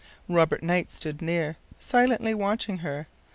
Robert Knight stood near, silently watching her.